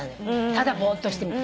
ただぼーっとしてみた。